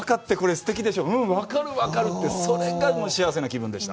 すてきでしょう、分かる、分かるって、それがすてきな気分でした。